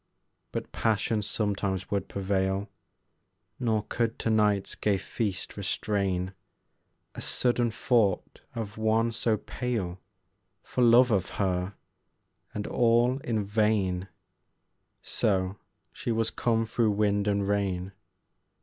But passion sometimes would prevail, Nor could to night's gay feast restrain A sudden thought of one so pale For love of her, and all in vain: So, she was come through wind and rain.